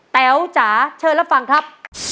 แต๋วจ๋าเชิญรับฟังครับ